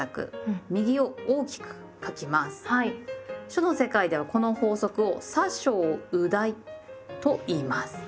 書の世界ではこの法則を「左小右大」と言います。